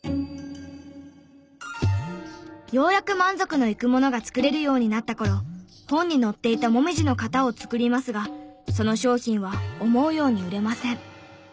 ようやく満足のいくものが作れるようになった頃本に載っていたモミジの型を作りますがその商品は思うように売れません。